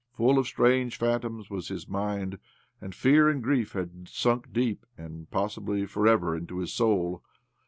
Full of strange phantoms was his mind, and fear and grief had sunk deep (and, possibly, for ever) into his soul.